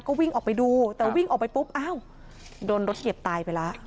ก็วิ่งออกไปดูแต่วิ่งออกไปปุ๊บอ้าวโดนรถเหยียบตายไปแล้ว